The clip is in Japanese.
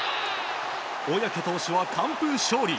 小宅投手は完封勝利。